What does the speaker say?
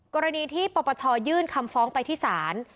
กรณีที่ปปชยื่นคำฟ้องไปที่ศาล